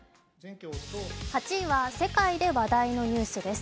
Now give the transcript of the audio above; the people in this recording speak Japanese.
８位は世界で話題のニュースです。